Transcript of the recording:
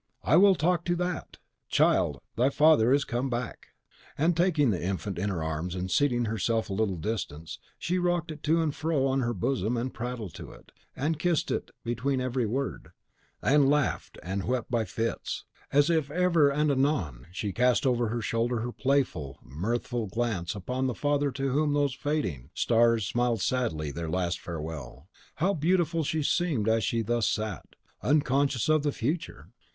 I will talk to THAT. Child, thy father is come back!" And taking the infant in her arms, and seating herself at a little distance, she rocked it to and fro on her bosom, and prattled to it, and kissed it between every word, and laughed and wept by fits, as ever and anon she cast over her shoulder her playful, mirthful glance upon the father to whom those fading stars smiled sadly their last farewell. How beautiful she seemed as she thus sat, unconscious of the future!